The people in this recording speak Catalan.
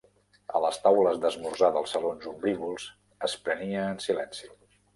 A les taules d'esmorzar dels salons ombrívols es prenia en silenci.